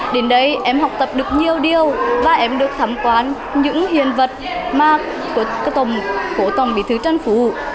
đến đây em học tập được nhiều điều và em được thăm quan những hiện vật của cố tổng bí thư trần phú